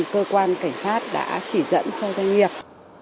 cơ quan cảnh sát đã chỉ dẫn cho doanh nghiệp